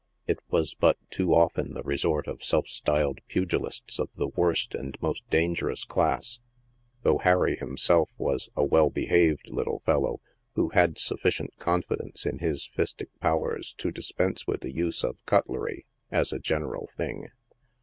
It was but too often the resort of self styled '* pugilists" of the worst and most dangerous class, though Harry himself was a well behaved little fellow, who had sufficient confidence in his fistic powers to dispense with' the use of " cutlery," as a general thing.